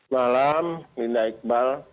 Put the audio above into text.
malam linda iqbal